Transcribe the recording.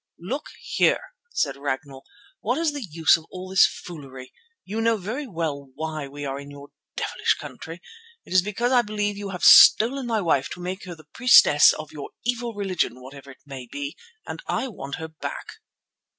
"Look here," said Ragnall, "what is the use of all this foolery? You know very well why we are in your devilish country. It is because I believe you have stolen my wife to make her the priestess of your evil religion whatever it may be, and I want her back."